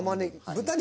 豚肉。